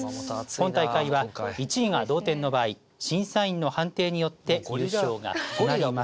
今大会は１位が同点の場合審査員の判定によって優勝が決まります。